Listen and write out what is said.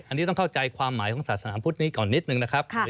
อันนี้ต้องเข้าใจความหมายของศาสนาพุทธนี้ก่อนนิดนึงนะครับ